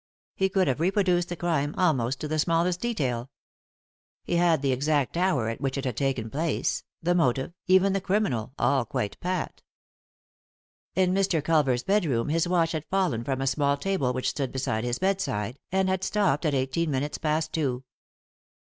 He could have reproduced the crime, almost to the smallest detail. He had the exact hour at which it had taken place ; the motive ; even the criminal ; all quite pat. In Mr. Culver's bedroom his watch had fallen from a small table which stood by his bedside, and had stopped 29 3i 9 iii^d by Google THE INTERRUPTED KISS at eighteen minutes past two.